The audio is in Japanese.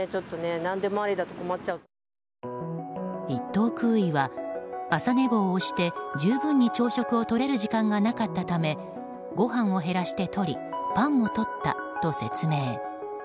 １等空尉は、朝寝坊をして十分に朝食をとれる時間がなかったためご飯を減らして取りパンも取ったと説明。